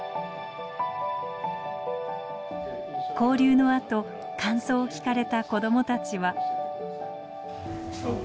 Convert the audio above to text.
交流のあと感想を聞かれた子供たちは。